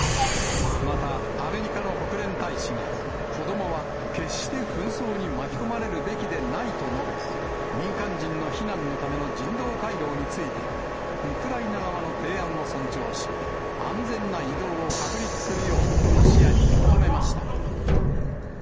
また、アメリカの国連大使が、子どもは決して紛争に巻き込まれるべきでないと述べ、民間人の避難のための人道回廊について、ウクライナ側の提案を尊重し、安全な移動を確立するようロシアに求めました。